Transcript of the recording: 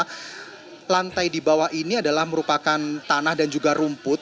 karena pantai di bawah ini adalah merupakan tanah dan juga rumput